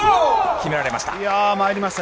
決められました。